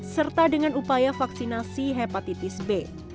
serta dengan upaya vaksinasi hepatitis b